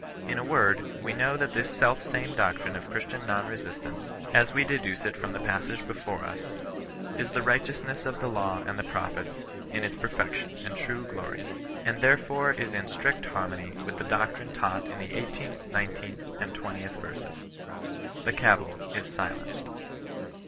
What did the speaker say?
In a word, we know that this self same doctrine of Christian non resistance, as we de duce it from the passage before us, is the righteousness of the law and the prophets in its perfection and true glory; and therefore is in strict harmony with the doc trine taught in the 18th, 19th, and 2(Jth verses. The cavil is sUenced.